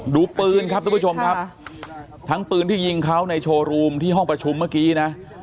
ดูปืนครับทุกผู้ชมครับทั้งปืนที่ยิงเขาในโชว์รูมที่ห้องประชุมเมื่อกี้นะ